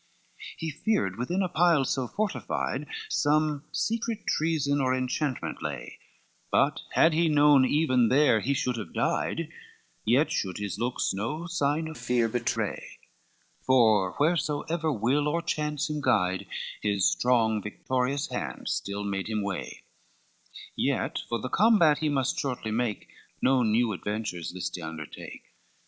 XXX He feared within a pile so fortified Some secret treason or enchantment lay, But had he known even there he should have died, Yet should his looks no sign of fear betray; For wheresoever will or chance him guide, His strong victorious hand still made him way: Yet for the combat he must shortly make, No new adventures list he undertake.